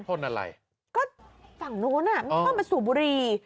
อดทนอะไรก็ฝั่งโน้นน่ะมันก็มาสูบบุหรี่